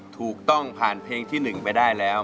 ถูกต้องผ่านเพลงที่๑ไปได้แล้ว